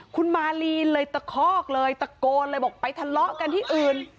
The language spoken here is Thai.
คุณมาลีเลยตะคอกเลยตะโกนเลยบอกไปทะเลาะกันที่อื่น